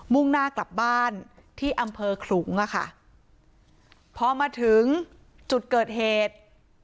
่งหน้ากลับบ้านที่อำเภอขลุงอ่ะค่ะพอมาถึงจุดเกิดเหตุ